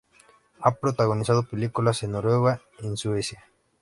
Ha protagonizado películas en Noruega y en Suecia.